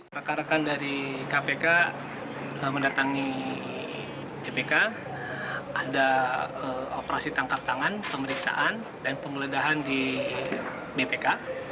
rekan rekan dari kpk mendatangi bpk ada operasi tangkap tangan pemeriksaan dan penggeledahan di bpk